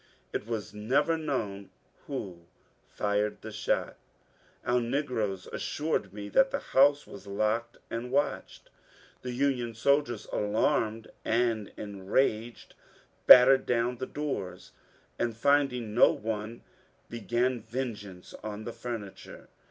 It was never known who fired the shot ; our negro^ assured me that the house was locked and watched. The Union soldiers, alarmed and en raged, battered down the doors, and, finding no one, began vengeance on the furniture.